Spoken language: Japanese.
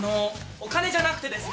お金じゃなくてですね